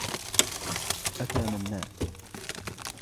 أتى منّاد.